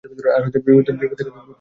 আর বিপদ থেকে দূরে থাকবে।